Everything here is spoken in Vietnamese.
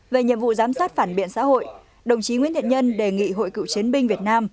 về nhiệm vụ giám sát phản biện xã hội đồng chí nguyễn thiện nhân đề nghị hội cựu chiến binh việt nam